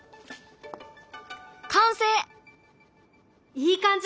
いい感じ！